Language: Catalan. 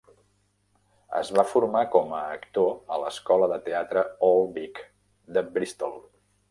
Es va formar com a actor a l'Escola de Teatre Old Vic de Bristol.